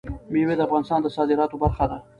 مېوې د افغانستان د صادراتو برخه ده.